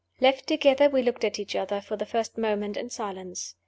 Left together, we looked at each other, for the first moment, in silence.